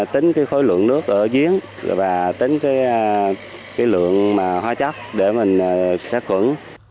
tính cái khối lượng nước ở giếng và tính cái lượng hóa chất để mình sát khuẩn